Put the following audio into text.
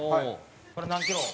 これ何キロ？